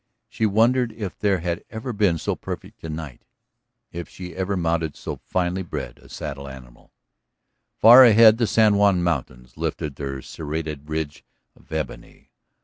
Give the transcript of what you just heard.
She wondered if there had ever been so perfect a night, if she had ever mounted so finely bred a saddle animal. Far ahead the San Juan mountains lifted their serrated ridge of ebony.